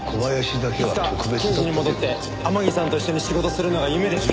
いつか刑事に戻って天樹さんと一緒に仕事するのが夢です。